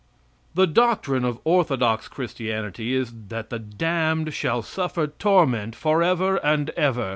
The doctrine of orthodox Christianity is that the damned shall suffer torment forever and forever.